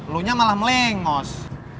lo malah melengos